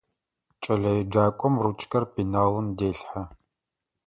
КӀэлэеджакӀом ручкэр пеналым делъхьэ.